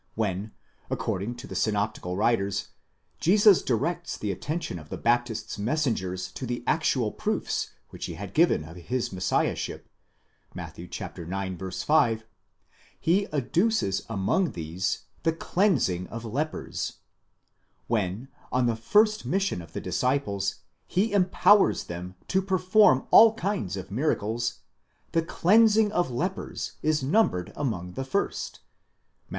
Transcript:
When, according to the synoptical writers, Jesus directs the attention of the Baptist's messengers to the actual proofs which he had given of his Messiahship (Matt. ix. 5), he adduces among these, the cleansing of lepers ; when, on the first mission of the disciples, he empowers them to perform all kinds of miracles, the cleansing of lepers is numbered among the first (Matt.